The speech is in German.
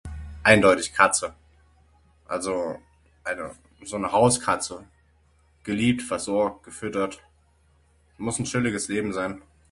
Eindeutig Katze, also eine so ne Hauskatze, geliebt, versorgt, gefüttert. Muss nen chilliges Leben sein.